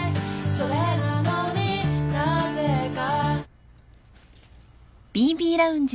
「それなのに何故か」